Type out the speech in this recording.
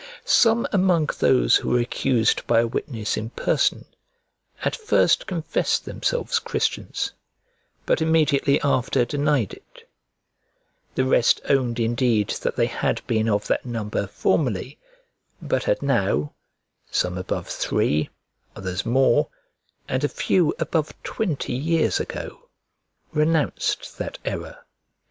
Some among those who were accused by a witness in person at first confessed themselves Christians, but immediately after denied it; the rest owned indeed that they had been of that number formerly, but had now (some above three, others more, and a few above twenty years ago) renounced that error.